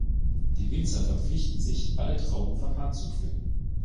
Die Winzer verpflichten sich, alle Trauben von Hand zu pflücken.